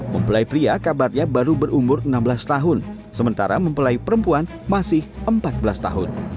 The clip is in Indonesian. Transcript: mempelai pria kabarnya baru berumur enam belas tahun sementara mempelai perempuan masih empat belas tahun